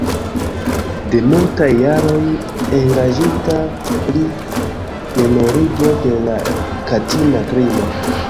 De multaj jaroj engaĝita pri memorigo de la katina krimo.